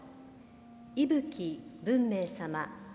伊吹文明様。